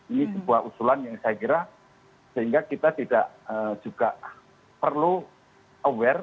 ini sebuah usulan yang saya kira sehingga kita tidak juga perlu aware